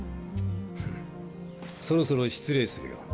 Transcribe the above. フッそろそろ失礼するよ。